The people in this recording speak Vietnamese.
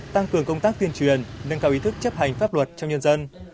tăng cường công tác tuyên truyền nâng cao ý thức chấp hành pháp luật trong nhân dân